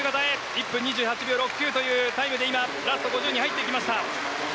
１分２８秒６９というタイムでラスト５０に入ってきました。